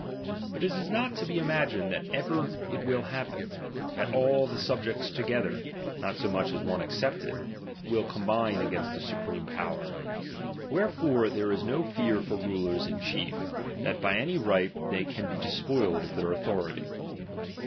But it is not to be imagined that ever it will happen, that all the sub jects together, not so much as one excepted, will combine against the supreme power. Wherefore there is no fear for rulers in chief, that by any right they can be despoiled of their authority.